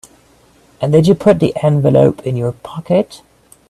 And did you put the envelope in your pocket?